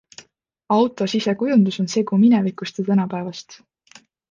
Auto sisekujundus on segu minevikust ja tänapäevast.